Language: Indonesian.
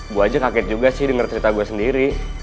gue aja kaget juga sih denger cerita gue sendiri